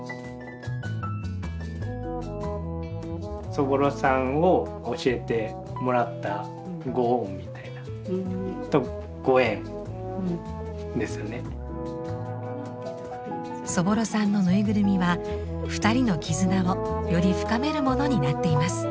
そぼろさんを教えてもらったそぼろさんのぬいぐるみは２人の絆をより深めるものになっています。